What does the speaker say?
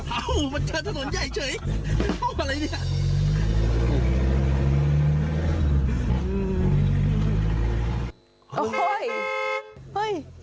เอ้ามันเจอถนนใหญ่เฉยเอาอะไรเนี่ย